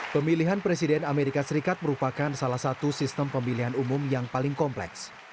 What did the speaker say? pemilihan presiden amerika serikat merupakan salah satu sistem pemilihan umum yang paling kompleks